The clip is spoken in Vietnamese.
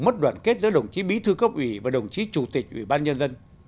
mất đoàn kết giữa đồng chí bí thư cấp ủy và đồng chí chủ tịch ủy ban nhân dân